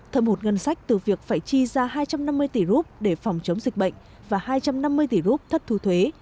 thợ hụt ngân sách từ việc phải chi ra hai trăm năm mươi tỷ rup để phòng chống dịch bệnh và hai trăm năm mươi tỷ rup thất thu thuế